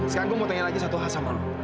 sekarang gue mau tanya lagi satu hal sama lo